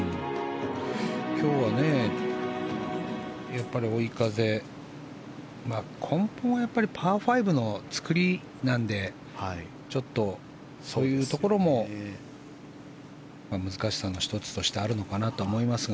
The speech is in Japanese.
今日はやっぱり追い風根本はパー５の作りなんでちょっとそういうところも難しさの１つとしてあるのかなと思いますが。